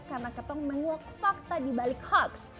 karena katong menguok fakta dibalik sucks